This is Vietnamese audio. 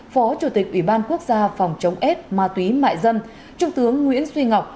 phó chủ tịch ủy ban quốc gia phòng chống ếch ma túy mại dâm trung tướng nguyễn suy ngọc